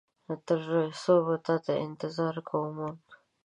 تر څو به تاته انتظار کوو مونږ؟